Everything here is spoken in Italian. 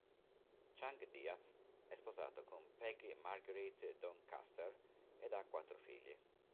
Chang-Diaz è sposato con Peggy Marguerite Doncaster ed ha quattro figli.